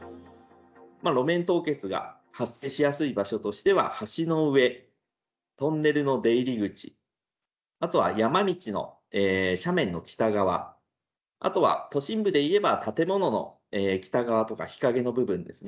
路面凍結が発生しやすい場所としては、橋の上、トンネルの出入り口、あとは山道の斜面の北側、あとは都心部でいえば、建物の北側とか日陰の部分ですね。